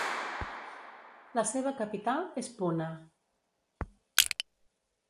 La seva capital és Puna.